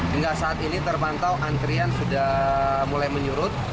hingga saat ini terpantau antrian sudah mulai menyurut